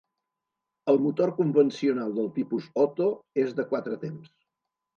El motor convencional del tipus Otto és de quatre temps.